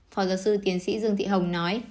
phó giáo sư tiến sĩ dương thị hồng nói